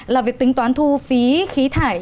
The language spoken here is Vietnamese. là việc tính toán thu phí khí thải